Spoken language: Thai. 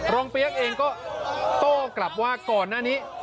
เปี๊ยกเองก็โต้กลับว่าก่อนหน้านี้